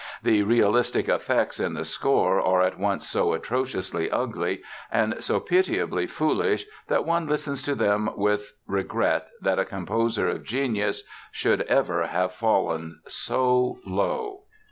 the realistic effects in the score are at once so atrociously ugly and so pitiably foolish that one listens to them with regret that a composer of genius should ever have fallen so low."